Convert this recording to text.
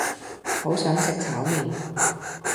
好想食炒麵